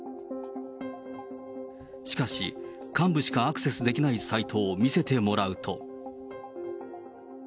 しかし、幹部しかアクセスできないサイトを見せてもらうと。